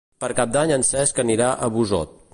Per Cap d'Any en Cesc anirà a Busot.